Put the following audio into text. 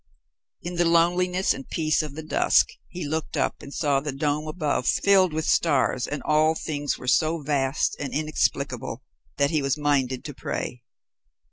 In the loneliness and peace of the dusk he looked up and saw the dome above filled with stars, and all things were so vast and inexplicable that he was minded to pray.